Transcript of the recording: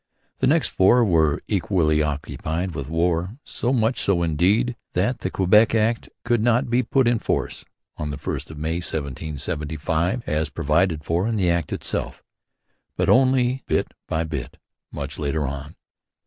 The next four were equally occupied with war; so much so, indeed, that the Quebec Act could not be put in force on the 1st of May 1775, as provided for in the Act itself, but only bit by bit much later on.